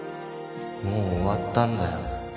もう終わったんだよ。